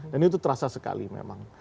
dan itu terasa sekali memang